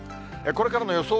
これからの予想